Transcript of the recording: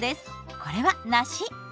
これは梨。